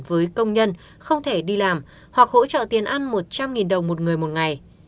với công nhân không thể đi làm hoặc hỗ trợ tiền ăn một trăm linh đồng một người một ngày